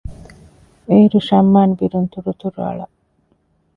އެއިރު ޝަމްއާން ބިރުން ތުރުތުރުއަޅަ